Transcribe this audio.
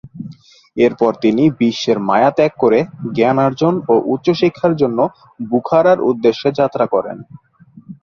এরপর তিনি বিশ্বের মায়া ত্যাগ করে জ্ঞানার্জন ও উচ্চ শিক্ষার জন্য বুখারার উদ্দেশ্যে যাত্রা করেন।